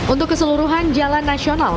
untuk keseluruhan jalan nasional